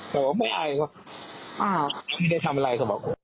แต่ผมไม่อายเขาบอกไม่ได้ทำอะไร